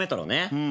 うん。